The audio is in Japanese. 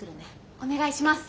お願いします。